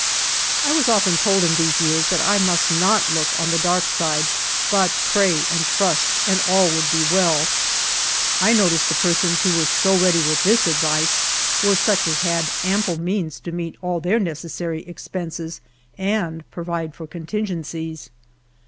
'' I was often told in these years that I must not look on the dark side, but pray and trust, and all would be well. \ noticed the persons who were so ready with this advice were such as had ample means to meet all their necessary expen ses and provide for contingencies.